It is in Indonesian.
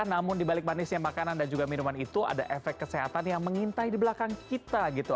namun dibalik manisnya makanan dan juga minuman itu ada efek kesehatan yang mengintai di belakang kita gitu